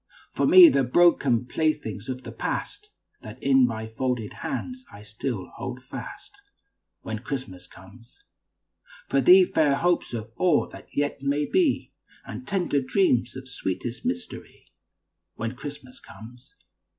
For me, the broken playthings of the past That in my folded hands I still hold fast, When Christmas comes. For thee, fair hopes of all that yet may be, And tender dreams of sweetest mystery, When Christmas comes.